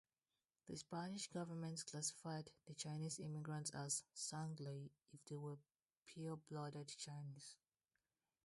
The Spanish government classified the Chinese immigrants as "Sangley" if they were pure-blooded Chinese.